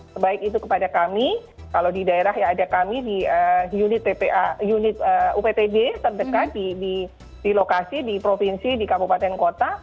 sebaik itu kepada kami kalau di daerah ya ada kami di unit uptb terdekat di lokasi di provinsi di kabupaten kota